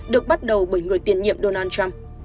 được bắt đầu bởi người tiền nhiệm donald trump